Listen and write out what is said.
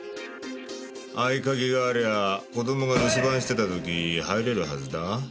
合鍵がありゃあ子どもが留守番してた時入れるはずだ。